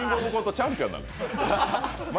チャンピオンなのよ。